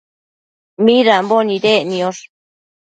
midambo nidec niosh ?